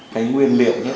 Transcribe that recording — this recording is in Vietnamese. cái nguyên liệu nhất